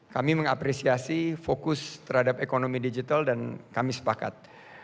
kami mengapresiasi fokus terhadap ekonomi digital dan kami sepakat